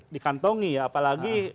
dikantongi ya apalagi